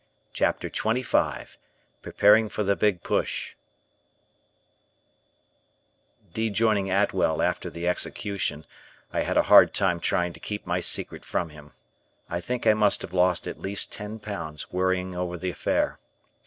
CHAPTER XXV PREPARING FOR THE BIG PUSH Rejoining Atwell after the execution I had a hard time trying to keep my secret from him. I think I must have lost at least ten pounds worrying over the affair.